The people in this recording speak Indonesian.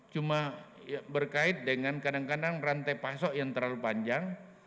cuma berkait dengan kadang kadang rantai pasok yang terlalu panjang